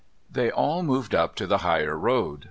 They all moved up to the higher road.